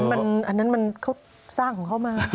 อันนั้นมันเขาสร้างของเขามา